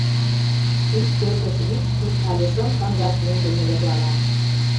Ик пӧртыш вич-куд але шым-кандаш еҥ дене верланат.